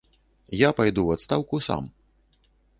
Я пайду ў адстаўку сам.